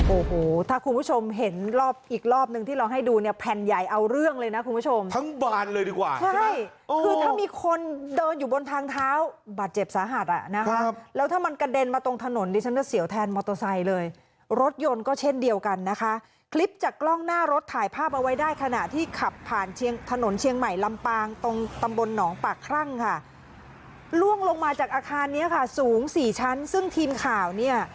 โอ้โหถ้าคุณผู้ชมเห็นรอบอีกรอบนึงที่เราให้ดูเนี่ยแผนใหญ่เอาเรื่องเลยนะคุณผู้ชมทั้งบานเลยดีกว่าใช่ไหมคือถ้ามีคนเดินอยู่บนทางเท้าบาดเจ็บสาหัสอ่ะนะคะแล้วถ้ามันกระเด็นมาตรงถนนดิฉันก็เสี่ยวแทนมอเตอร์ไซค์เลยรถยนต์ก็เช่นเดียวกันนะคะคลิปจากกล้องหน้ารถถ่ายภาพเอาไว้ได้ขณะที่ขับผ่านถนนเชีย